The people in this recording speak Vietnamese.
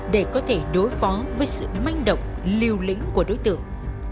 để có thể đối phó với sự manh động liều lĩnh của đối tượng